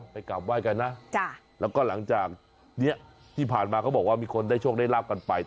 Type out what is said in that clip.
กลับไห้กันนะแล้วก็หลังจากนี้ที่ผ่านมาเขาบอกว่ามีคนได้โชคได้ลาบกันไป